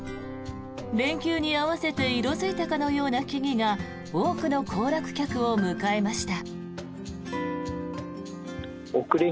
連休に合わせて色付いたかのような木々が多くの行楽客を迎えました。